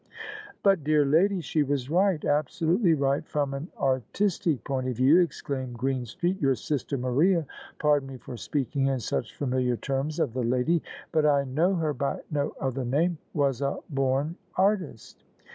" But dear lady, she was right — ^absolutely right from an artistic point of view," exclaimed Greenstreet :" your sister Maria — pardon me for speaking in such familiar terms of the lady, but I know her by no other name — ^was a bom artist."